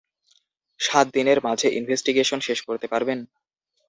সাত দিনের মাঝে ইনভেস্টিগেশন শেষ করতে পারবেন?